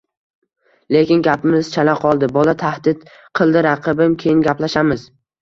Lekin gapimiz chala qoldi, bola, – tahdid qildi raqibim. – Keyin gaplashamiz.